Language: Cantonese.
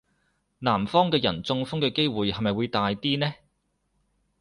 南方嘅人中風嘅機會係咪會大啲呢?